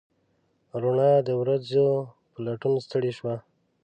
روڼا د ورځو په لټون ستړې شوه